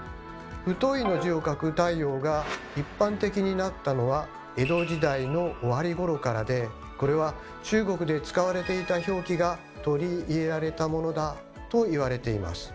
「太」の字を書く太陽が一般的になったのは江戸時代の終わり頃からでこれは中国で使われていた表記が取り入れられたものだといわれています。